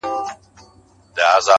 • دا پاته عمر ملګي کومه ښه کومه ,